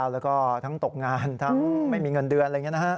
แล้วก็ทั้งตกงานทั้งไม่มีเงินเดือนอะไรอย่างนี้นะฮะ